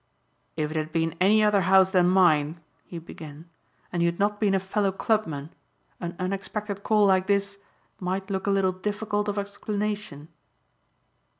"If it had been any other house than mine," he began, "and you had not been a fellow clubman an unexpected call like this might look a little difficult of explanation."